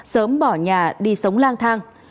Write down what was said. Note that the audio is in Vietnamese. sớm bỏ nhà đi sống lang thang